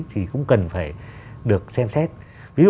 thì cũng cần phải